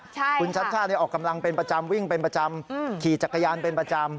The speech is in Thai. คุณชัชชาติออกกำลังเป็นประจำวิ่งเป็นประจำขี่จักรยานเป็นประจำ